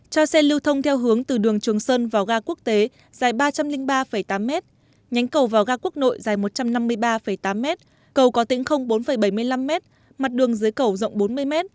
cho xe lưu thông theo hướng từ đường trường sơn vào ga quốc tế dài ba trăm linh ba tám m nhánh cầu vào ga quốc nội dài một trăm năm mươi ba tám m cầu có tính không bốn bảy mươi năm m mặt đường dưới cầu rộng bốn mươi m